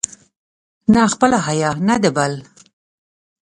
نه خپله حیا، نه د بل.